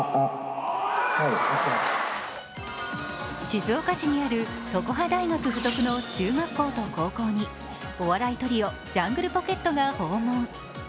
静岡市にある常葉大学附属の中学校と高校にお笑いトリオ・ジャングルポケットが訪問。